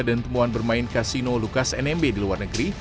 dan temuan bermain kasino lukas nmb di luar negeri